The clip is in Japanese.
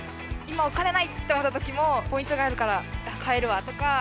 今お金ない！って思った時もポイントがあるから買えるわとか。